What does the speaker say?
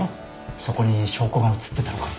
そこに証拠が映ってたのかも。